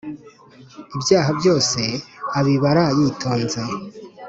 ibyaha byose abibara yitonze.